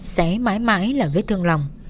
sẽ mãi mãi là vết thương lòng